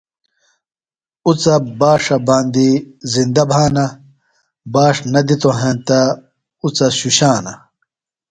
اُڅہ بݜہ باندیۡ زِندہ بھانہ۔ باݜ نہ دِتوۡ ہینتہ اُڅہ شُشانہ۔